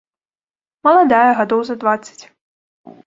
Маладая, гадоў за дваццаць.